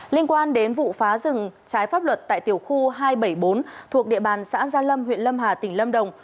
liên quan đến vụ phá rừng trái pháp luật tại tiểu khu hai trăm bảy mươi bốn thuộc địa bàn xã gia lâm huyện lâm hà tỉnh lâm đồng